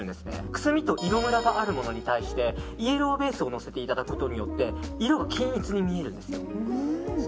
くすみと色むらがあるものに対してイエローベースをのせていただくことによって色が均一に見えるんですよ。